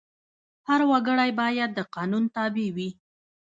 هر وګړی باید د قانون تابع وي.